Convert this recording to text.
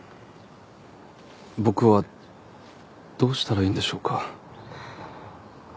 僕はどうしたらいいんでしょうか。